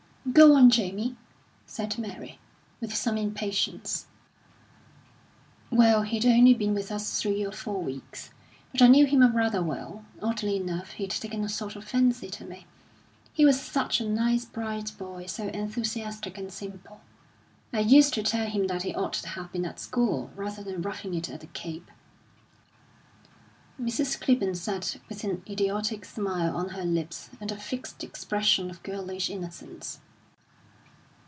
"Go on, Jamie," said Mary, with some impatience. "Well, he'd only been with us three or four weeks; but I knew him rather well. Oddly enough, he'd taken a sort of fancy to me. He was such a nice, bright boy, so enthusiastic and simple. I used to tell him that he ought to have been at school, rather than roughing it at the Cape." Mrs. Clibborn sat with an idiotic smile on her lips, and a fixed expression of girlish innocence.